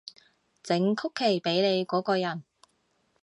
整曲奇畀你嗰個人